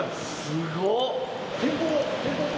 すごっ！